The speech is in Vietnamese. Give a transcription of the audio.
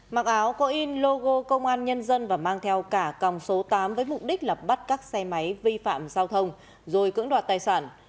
mặc áo có in logo công an nhân dân và mang theo cả còng số tám với mục đích là bắt các xe máy vi phạm giao thông rồi cưỡng đoạt tài sản